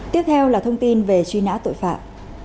tiếp theo là thông tin về truy nã tội phạm